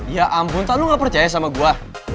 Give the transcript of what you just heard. ya ampun tak lo gak percaya sama gua